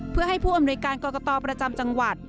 เพื่อให้ผู้อำนวยการกรกตประจำจังหวัด